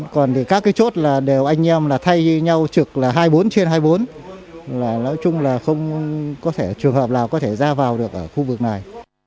còn các cái chốt đều anh em thay nhau trực là hai mươi bốn trên hai mươi bốn nói chung là không có thể trường hợp nào có thể ra vào được ở khu vực này